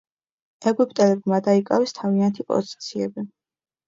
ეგვიპტელებმა დაიკავეს თავიანთი პოზიციები.